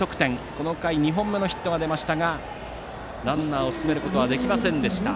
この回、２本目のヒットが出ましたがランナーを進めることはできませんでした。